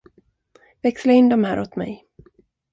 Växla in de här åt mig.